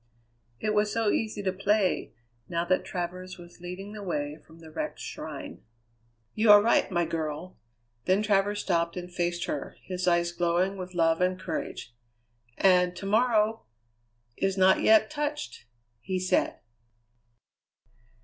It was so easy to play, now that Travers was leading the way from the wrecked shrine. "You are right, my girl!" Then Travers stopped and faced her, his eyes glowing with love and courage. "And to morrow is not yet touched!" he said.